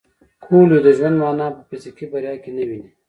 کویلیو د ژوند مانا په فزیکي بریا کې نه ویني.